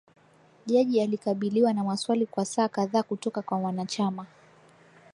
Jaji alikabiliwa na maswali kwa saa kadhaa kutoka kwa wanachama